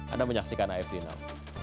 anda menyaksikan afd now